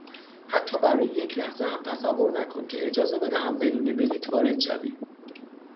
حتی برای یک لحظه هم تصور نکن که اجازه بدهم بدون بلیط وارد شوی.